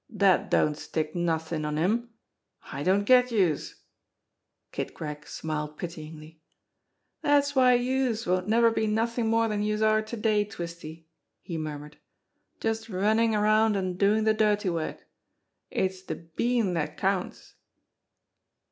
"Dat don't stick nothin' on him. I don't get youse !" Kid Gregg smiled pityingly. "Dat's why youse won't never be nothin' more dan youse are to day, Twisty," he murmured; "just runnin' around an' doin' de dirty work. It's de bean dat counts."